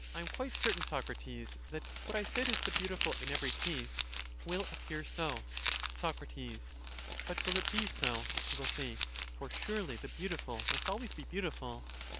Tam quite certain, Socrates, that what I said is the beautiful in every case, will appear so. Soc. But will it be so? he will say; for surely the beautiful must always be beautiful.